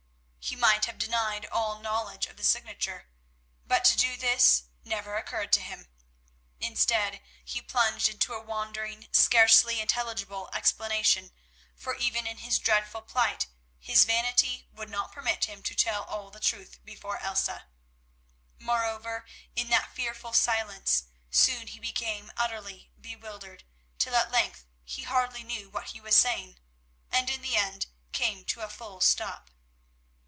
He might have denied all knowledge of the signature. But to do this never occurred to him. Instead, he plunged into a wandering, scarcely intelligible, explanation, for even in his dreadful plight his vanity would not permit him to tell all the truth before Elsa. Moreover, in that fearful silence, soon he became utterly bewildered, till at length he hardly knew what he was saying, and in the end came to a full stop.